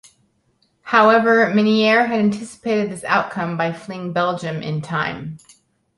However, Minnaert had anticipated this outcome by fleeing Belgium in time.